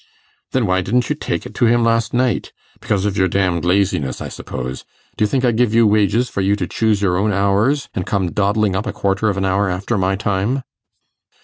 'Then why didn't you take it to him last night? Because of your damned laziness, I suppose. Do you think I give you wages for you to choose your own hours, and come dawdling up a quarter of an hour after my time?